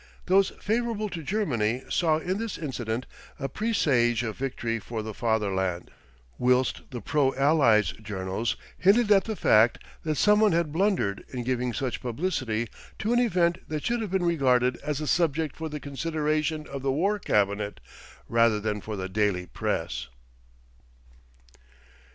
Those favourable to Germany saw in this incident a presage of victory for the Fatherland; whilst the pro Allies journals hinted at the fact that someone had blundered in giving such publicity to an event that should have been regarded as a subject for the consideration of the War Cabinet rather than for the daily press.